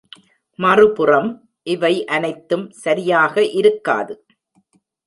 மறுபுறம், இவை அனைத்தும் சரியாக இருக்காது.